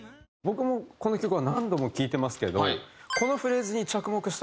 僕もこの曲は何度も聴いてますけど。